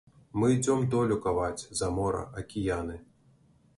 Мы ідзём долю каваць, за мора, акіяны.